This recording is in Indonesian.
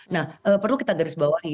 nah perlu kita garis bawahi